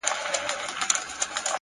پوهه د انتخابونو کیفیت لوړوي،